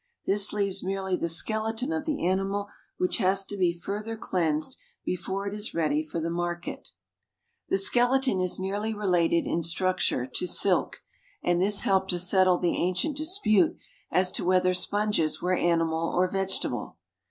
This leaves merely the skeleton of the animal which has to be further cleansed before it is ready for the market. The skeleton is nearly related in structure to silk, and this helped to settle the ancient dispute as to whether sponges were animal or vegetable.